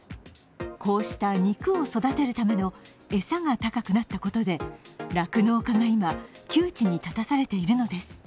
こうした肉を育てるために餌が高くなったことで酪農家が今、窮地に立たされているのです。